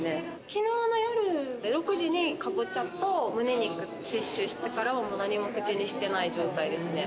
昨日の夜６時にかぼちゃとむね肉摂取してからは、もう何も口にしてない状態ですね。